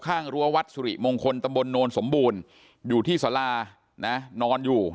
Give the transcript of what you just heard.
รั้ววัดสุริมงคลตำบลโนนสมบูรณ์อยู่ที่สารานะนอนอยู่